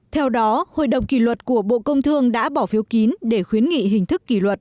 theo đó hội đồng kỷ luật của bộ công thương đã bỏ phiếu kín để khuyến nghị hình thức kỷ luật